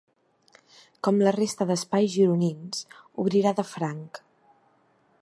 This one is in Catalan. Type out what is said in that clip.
Com la resta d’espais gironins, obrirà de franc.